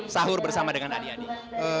sahur bersama dengan adik adik